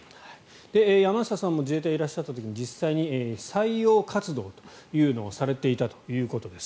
山下さんも自衛隊にいらっしゃった時に実際に採用活動をされていたということです。